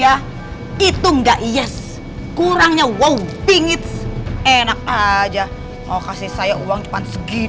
atau saya tidak akan pergi ninggalin kehidupannya putri